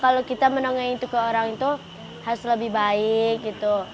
kalau kita menongai itu ke orang itu harus lebih baik gitu